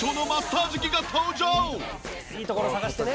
いいところ探してね。